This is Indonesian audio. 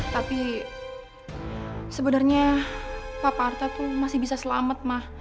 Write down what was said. tapi sebenernya papa arta tuh masih bisa selamat mah